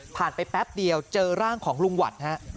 ไปแป๊บเดียวเจอร่างของลุงหวัดฮะ